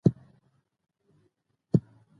فساد به ورک شي.